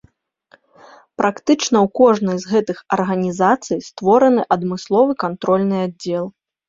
Практычна ў кожнай з гэтых арганізацый створаны адмысловы кантрольны аддзел.